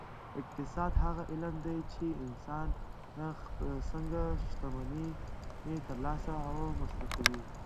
اقتصاد هغه علم دی چې انسان څنګه شتمني ترلاسه او مصرفوي